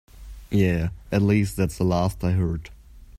Yeah, at least that's the last I heard.